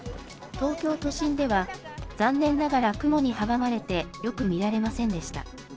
東京都心では、残念ながら雲に阻まれてよく見られませんでした。